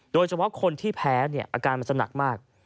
โดยเฉพาะคนที่แพ้เนี่ยอาการมันสัมหนักมาก